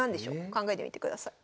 考えてみてください。